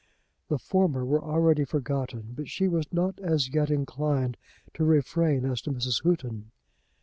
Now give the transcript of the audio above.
The former were already forgotten; but she was not as yet inclined to refrain as to Mrs. Houghton.